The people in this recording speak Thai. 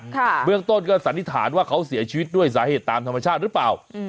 เบื้องต้นก็สันนิษฐานว่าเขาเสียชีวิตด้วยสาเหตุตามธรรมชาติหรือเปล่าอืม